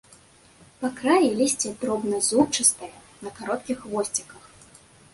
Па краі лісце дробназубчастае, на кароткіх хвосціках.